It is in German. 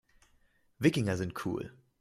Wikinger sind cool.